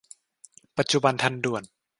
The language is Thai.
ปัจจุบันทันด่วน